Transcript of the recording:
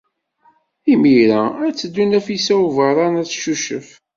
Imir-a ad teddu Nafisa n Ubeṛṛan ad teccucef.